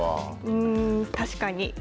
うーん、確かに。